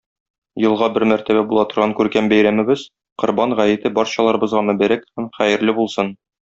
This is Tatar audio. Елга бер мәртәбә була торган күркәм бәйрәмебез- Корбан гаете барчаларыбызга мөбарәк һәм хәерле булсын!